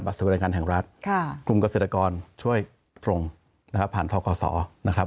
ในการแห่งรัฐกลุ่มเกษตรกรช่วยฟรงศ์ผ่านทศนะครับ